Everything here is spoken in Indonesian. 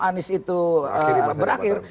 anis itu berakhir